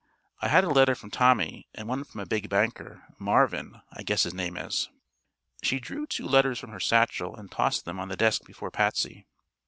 I had a letter from Tommy and one from a big banker Marvin, I guess his name is." She drew two letters from her satchel and tossed them on the desk before Patsy.